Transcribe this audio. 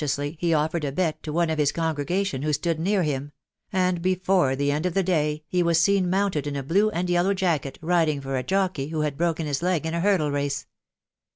ously he offered a bet to one of his congregation who stood near him ; and before the end of the day he was seen mounted in a blue and yellow jacket, riding for a jockey who had broken his leg in a hurdle race.